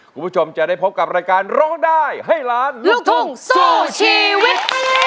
คุณผู้ชมจะได้พบกับรายการร้องได้ให้ล้านลูกทุ่งสู้ชีวิต